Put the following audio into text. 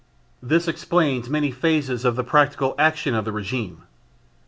This explains many phases of the practical action of the regime.